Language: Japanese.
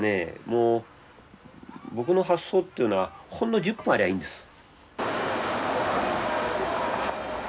もう僕の発想というのはほんの１０分ありゃいいんです。